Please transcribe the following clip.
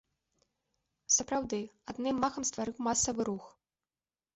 Сапраўды, адным махам стварыў масавы рух.